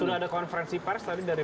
sudah ada konferensi pers tadi dari